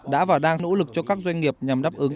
đã và đang nỗ lực cho các doanh nghiệp nhằm đáp ứng